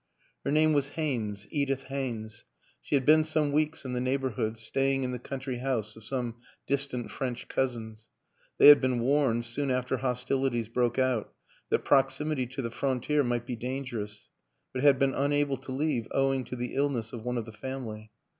Her name was Haynes, Edith Haynes; she had been some weeks in the neighborhood, staying in the country house of some distant French cousins. They had been warned, soon after hostilities broke out, that proximity to the frontier might be dangerous, but had been unable to leave owing to the illness of one of the family.